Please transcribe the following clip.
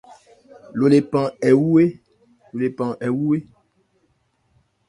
Ló lephan ɛ wu é ?